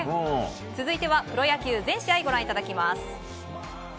続いてはプロ野球全試合ご覧いただきます。